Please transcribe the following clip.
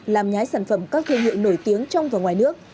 làm nhái sản phẩm các thương hiệu nổi tiếng trong và ngoài nước